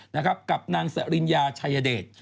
นะครับกับนางสริญญาชายเดช